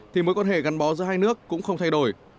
thì mối quan hệ gắn bó giữa hai nước cũng không thay đổi